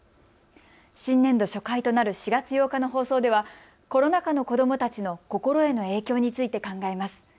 新年度初回となる４月８日の放送ではコロナ禍の子どもたちの心への影響について考えます。